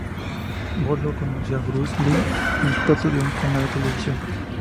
Bolo conoció a Bruce Lee en los platós de un canal de televisión.